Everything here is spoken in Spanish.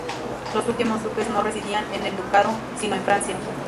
Los últimos duques no residían en el ducado, sino en Francia.